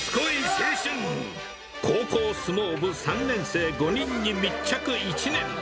青春高校相撲部３年生５人に密着１年。